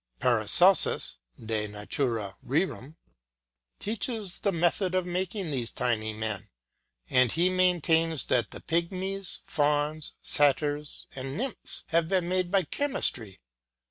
Paracelsis (De natura rerum) teaches the method of making these tiny men, and he maintains that the pygmies, fauns, satyrs, and nymphs have been made by chemistry.